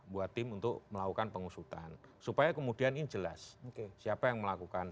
buat tim untuk melakukan pengusutan supaya kemudian ini jelas siapa yang melakukan